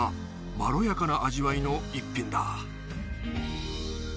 まろやかな味わいの逸品だ